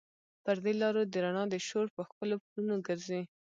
پر دې لارو د رڼا د شور، په ښکلو پلونو ګرزي